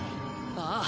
ああ。